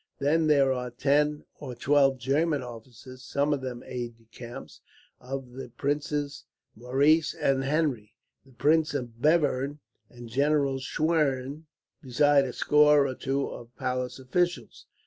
Then there are ten or twelve German officers some of them aides de camp of the Princes Maurice and Henry, the Prince of Bevern and General Schwerin besides a score or so of palace officials.